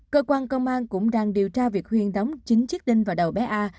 cơ quan công an cũng đang điều tra việc huyên đóng chín chiếc đinh vào đầu bé a